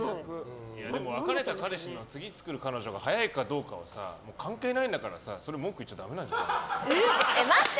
でも別れた彼氏の次の彼女が早いかどうかは関係ないんだからさそれ、文句言っちゃダメなんじゃないの？